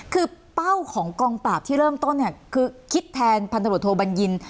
คือเป้าของกองปราบที่เริ่มต้นเนี่ยคือคิดแทนพันธบทโทบัญญิน